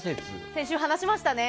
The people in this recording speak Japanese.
先週、話しましたね